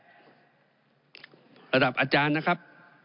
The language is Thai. ระดับอาจารย์นะครับ